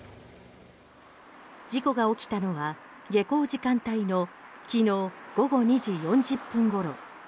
事故が起きたのは下校時間帯の昨日午後２時４０分ごろ。